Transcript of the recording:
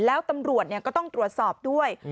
แล้วตำรวจก็ต้องตรวจสอบด้วย